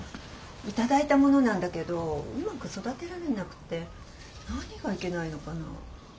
頂いたものなんだけどうまく育てられなくて何がいけないのかな？